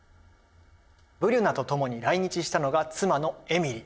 ブリュナと共に来日したのが妻のエミリ。